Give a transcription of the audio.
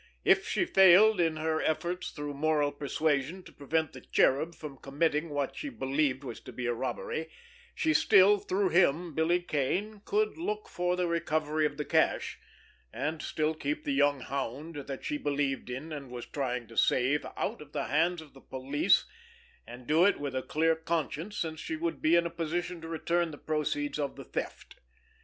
If she failed in her efforts through moral persuasion to prevent the Cherub from committing what she believed was to be a robbery, she still, through him, Billy Kane, could look for the recovery of the cash, and still keep the young hound, that she believed in and was trying to save, out of the hands of the police, and do it with a clear conscience since she would be in a position to return the proceeds of the theft.